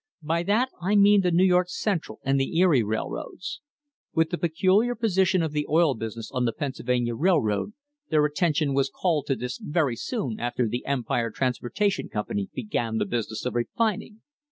By that I mean the New York Central and the Erie railroads. With the peculiar position of the oil business on the Pennsylvania Railroad, their attention was called to this very soon after the Empire Transportation Company began the business of refining.